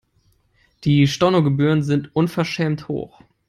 Die Stornogebühren sind unverschämt hoch.